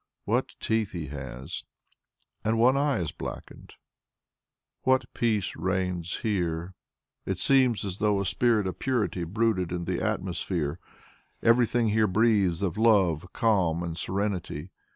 What teeth he has! And one eye is blackened! What peace reigns here! It seems as though a spirit of purity brooded in the atmosphere. Everything here breathes of love, calm and serenity.